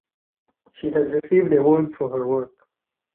She has received awards for her work.